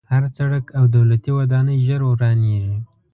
هر سړک او دولتي ودانۍ ژر ورانېږي.